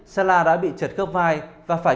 salah đã bị trật cấp vai